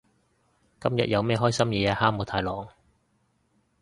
今日有咩開心嘢啊哈姆太郎？